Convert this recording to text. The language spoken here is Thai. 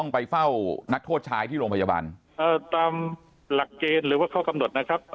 ไปเฝ้านักโทษชายที่โรงพยาบาลตามหลักเกณฑ์หรือว่าข้อกำหนดนะครับ